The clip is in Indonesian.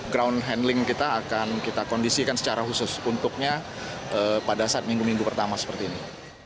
ground handling kita akan kita kondisikan secara khusus untuknya pada saat minggu minggu pertama seperti ini